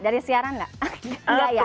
dari siaran gak